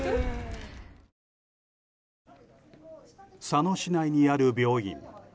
佐野市内にある病院。